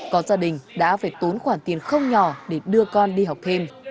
có gia đình đã phải tốn khoản tiền không nhỏ để đưa con đi học thêm